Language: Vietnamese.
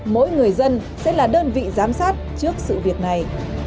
mỗi người dân sẽ là đơn vị giám sát trước sự việc này